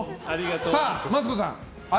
さあマツコさん